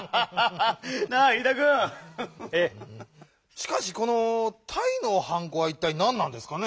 しかしこのタイのはんこはいったいなんなんですかね？